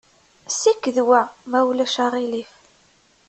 Ssiked wa, ma ulac aɣilif.